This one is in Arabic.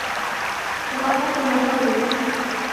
تفقدت ما حولي.